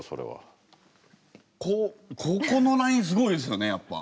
こうここのラインすごいですよねやっぱ。